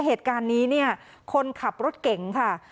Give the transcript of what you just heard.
เหตุการณ์นี้เนี่ยคนขับรถเก่งค่ะ